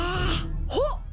ほっ！